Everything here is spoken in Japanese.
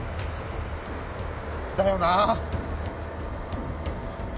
だよな。